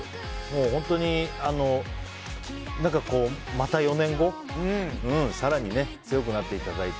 本当にまた４年後更に強くなっていただいて。